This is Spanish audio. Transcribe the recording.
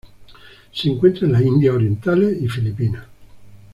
Se encuentra en las Indias Orientales y Filipinas.